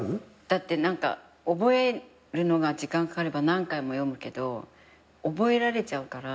だって覚えるのが時間かかれば何回も読むけど覚えられちゃうから。